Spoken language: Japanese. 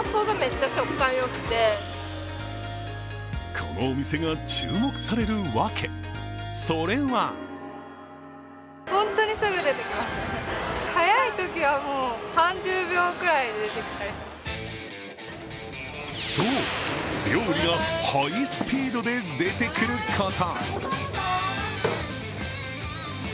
このお店が注目されるワケそれはそう、料理がハイスピードで出てくること。